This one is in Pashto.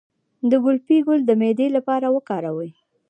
د ګلپي ګل د معدې لپاره وکاروئ